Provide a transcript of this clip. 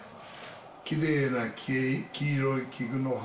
きれいなき、黄色い菊の花。